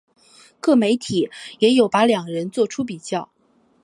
各媒体也有把两人作出比较。